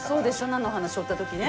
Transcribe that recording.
菜の花しょった時ね。